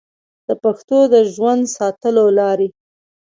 د پښتو د ژوندي ساتلو لارې